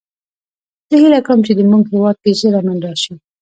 زه هیله کوم چې د مونږ هیواد کې ژر امن راشي